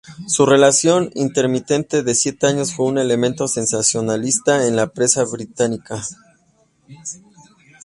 Su relación intermitente de siete años fue un elemento sensacionalista en la prensa británica.